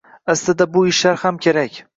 Aslida bu ishlar ham kerak.